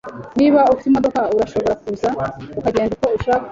Niba ufite imodoka, urashobora kuza ukagenda uko ushaka